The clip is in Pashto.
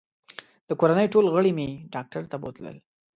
د کورنۍ ټول غړي مې ډاکټر ته بوتلل